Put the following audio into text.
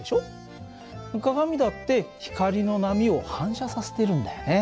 鏡だって光の波を反射させているんだよね。